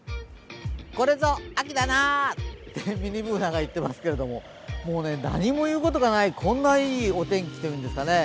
これぞ秋だなってミニＢｏｏｎａが言っていますけどもうね、何も言うことがないこんないいお天気っていうんですかね。